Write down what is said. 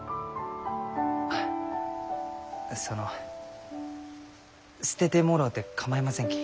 あその捨ててもろうて構いませんき。